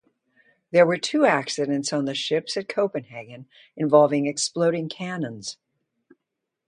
There were two accidents on the ships at Copenhagen involving exploding cannons.